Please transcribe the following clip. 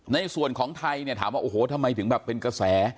ในส่วนของไทยเนี่ยถามว่าโอ้โหทำไมถึงแบบเป็นกระแส